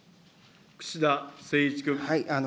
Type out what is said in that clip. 串田誠一君。